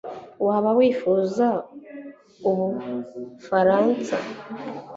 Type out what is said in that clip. waba wifuza ubufaransa